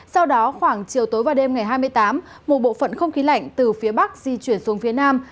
sau đó khoảng chiều tối và đêm ngày hai mươi tám một bộ phận không khí lạnh từ phía bắc di chuyển xuống phía nam